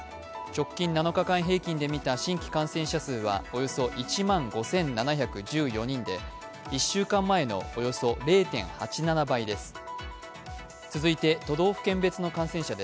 直近７日間平均で見た新規感染者数はおよそ１万５７１４人で１週間前のおよそ０．８７倍です。